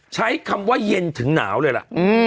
ใช้คำว่าเย็นถึงหนาวเลยล่ะ